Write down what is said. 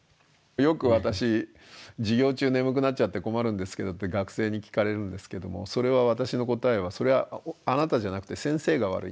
よく私「授業中眠くなっちゃって困るんですけど」って学生に聞かれるんですけどもそれは私の答えは「それはあなたじゃなくて先生が悪いんだ」と。